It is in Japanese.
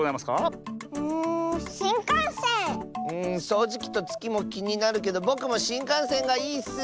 そうじきとつきもきになるけどぼくもしんかんせんがいいッス！